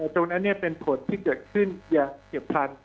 ตรงอันนี้เป็นผลที่เกิดขึ้นอย่าเสียพรรณ